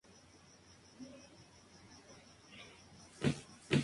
Prestó atención en sus escritos a la cuestión del retraso del sur de Italia.